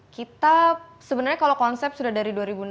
kita sebenarnya kalau konsep sudah dari dua ribu enam belas